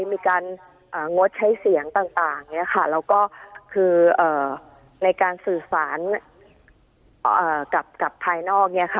มีการงดใช้เสียงต่างแล้วก็คือในการสื่อสารกับภายนอก